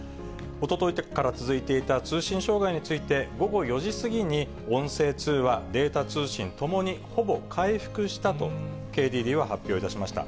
おとといから続いていた通信障害について、午後４時過ぎに、音声通話、データ通信ともに、ほぼ回復したと、ＫＤＤＩは発表いたしました。